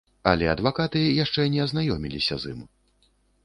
Але адвакаты яшчэ не азнаёміліся з ім.